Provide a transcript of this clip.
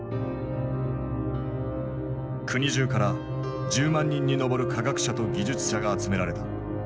国じゅうから１０万人に上る科学者と技術者が集められた。